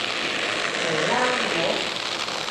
明啦係咪？